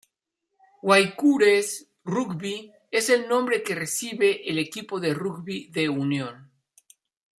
Guaycurúes Rugby es el nombre que recibe el equipo de rugby de Unión.